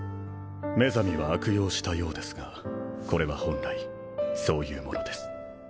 メザミは悪用したようですがこれは本来そういうものです。